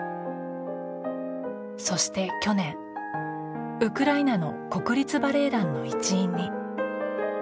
そして去年、ウクライナの国立バレエ団の一員に。